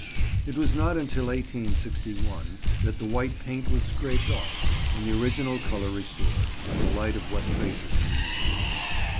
It was not until 1861 that the white paint was scraped off and the original colour restored, by the light of what traces remained.